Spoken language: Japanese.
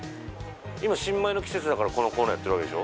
今新米の季節だからこのコーナーやってるわけでしょ